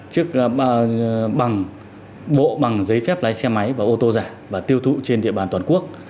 bằng bộ bằng giấy phép lái xe máy và ô tô giả và tiêu thụ trên địa bàn toàn quốc